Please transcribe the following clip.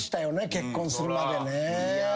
結婚するまでね。